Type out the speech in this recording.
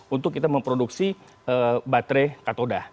untuk kita memproduksi baterai katoda